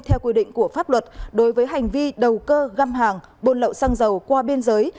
theo quy định của pháp luật đối với hành vi đầu cơ găm hàng buôn lậu xăng dầu qua biên giới